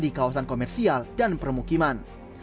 di kawasan komersial dan permukiman